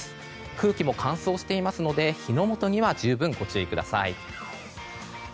空気も乾燥していますので火の元には十分ご注意ください。